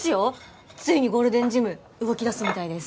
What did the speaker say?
ついにゴールデンジム動きだすみたいです。